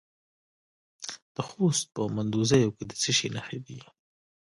د خوست په مندوزیو کې د څه شي نښې دي؟